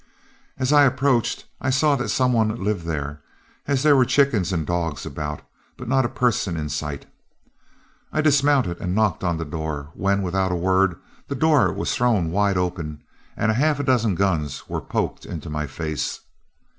As I approached, I saw that some one lived there, as there were chickens and dogs about, but not a person in sight. I dismounted and knocked on the door, when, without a word, the door was thrown wide open and a half dozen guns were poked into my face.